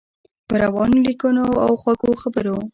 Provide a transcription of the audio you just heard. په روانو لیکنو او خوږو خبرو.